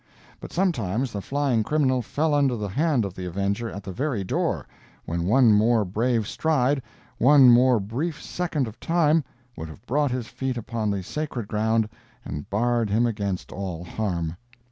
But sometimes the flying criminal fell under the hand of the avenger at the very door, when one more brave stride, one more brief second of time would have brought his feet upon the sacred ground and barred him against all harm.